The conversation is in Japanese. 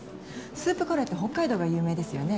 スープカレーって北海道が有名ですよね。